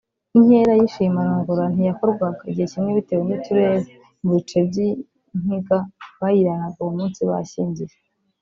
Inkera y’ishimarongora ntiyakorwaga igihe kimwe bitewe n’uturere; mu bice by’Inkiga bayiraraga uwo munsi bashyingiye